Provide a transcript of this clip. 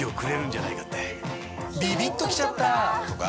ビビッときちゃった！とか